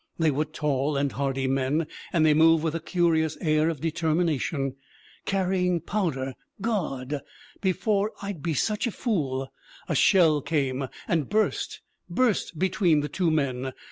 They were tall and hardy men, and they moved with a curious air of de termination. 'Carrying powder! Gawd! before I'd be sech a fool ' A shell came, and burst burst be tween the two men.